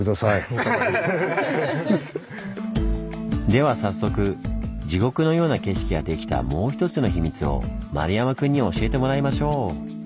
では早速地獄のような景色ができたもう一つの秘密を丸山くんに教えてもらいましょう。